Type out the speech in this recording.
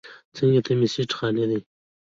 څنګ ته مې سیټ خالي و.